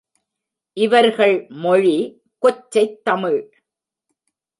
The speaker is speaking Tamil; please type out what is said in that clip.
இவர்கள் மொழி கொச்சைத் தமிழ்.